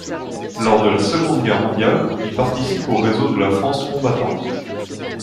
Lors de la Seconde Guerre mondiale, il participe au Réseaux de la France combattante.